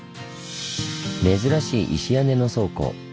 珍しい石屋根の倉庫。